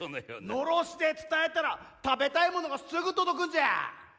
のろしで伝えたら食べたいものがすぐ届くんじゃ！